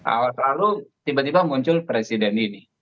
awal lalu tiba tiba muncul presiden ini